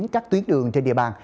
các tuyến đường trên địa bàn